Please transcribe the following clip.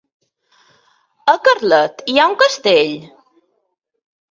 A Carlet hi ha un castell?